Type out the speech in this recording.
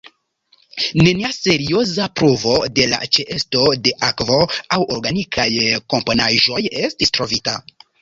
Nenia serioza pruvo de la ĉeesto de akvo aŭ organikaj komponaĵoj estis trovita.